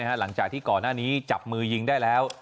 หลังจากที่ก่อนหน้านี้จับมือยิงได้แล้ว